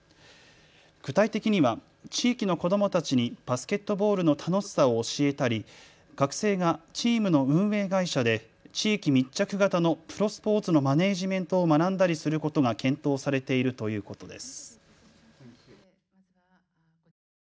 具体的には地域の子どもたちにバスケットボールの楽しさを教えたり、学生がチームの運営会社で地域密着型のプロスポーツのマネジメントを学んだりすることが検討されているということです。